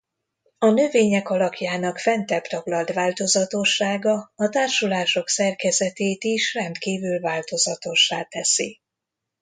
A növények alakjának fentebb taglalt változatossága a társulások szerkezetét is rendkívül változatossá teszi.